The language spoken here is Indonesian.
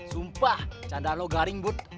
sumpah candaan lo garing bud